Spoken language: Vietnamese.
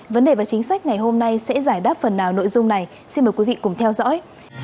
vấn đề và chính sách ngày hôm nay sẽ giải đáp phần nào nội dung này xin mời quý vị cùng theo dõi